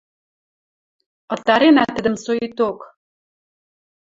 Ытаренӓ тӹдӹм соикток.